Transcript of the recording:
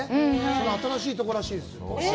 その新しいところらしいですよ。